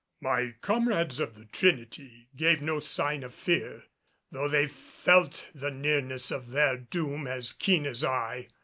My comrades of the Trinity gave no sign of fear, though they felt the nearness of their doom as keen as I.